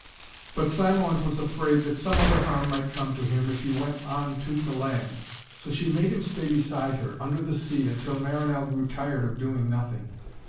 But Cymoënt was afraid that some other harm might come to him if he went on to the land. So she made him stay beside her, under the sea, until Marinell grew tired of doing nothing.